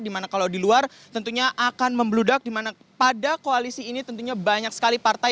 dimana kalau di luar tentunya akan membludak di mana pada koalisi ini tentunya banyak sekali partai